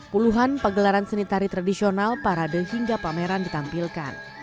puluhan pegelaran seni tari tradisional parade hingga pameran ditampilkan